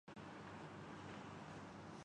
ہندوستان نے اپنی روش بدلنی ہے۔